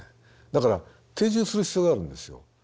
だから定住する必要があるんですよ。